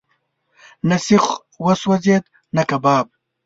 نه سیخ وسوځېد، نه کباب.